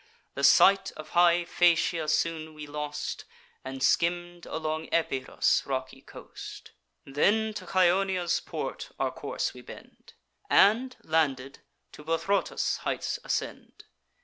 The sight of high Phaeacia soon we lost, And skimm'd along Epirus' rocky coast. "Then to Chaonia's port our course we bend, And, landed, to Buthrotus' heights ascend.